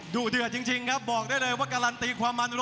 เดือดจริงครับบอกได้เลยว่าการันตีความมัน